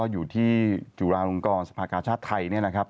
อยู่ที่จุฬาลงกรสภาครชาติไทย